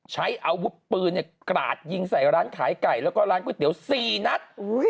ใช้อาวุธปืนกราดยิงใส่ร้านขายไก่แล้วก็ร้านก๋วยเตี๋ยว๔นัด